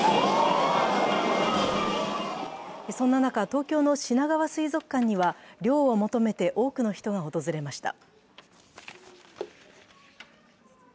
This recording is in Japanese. そんな中、東京のしながわ水族館には涼を求めて多くの人が訪れました。